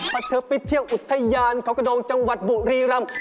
พอเธอไปเที่ยวอุทยานเขากระดงจังหวัดบุรีรำ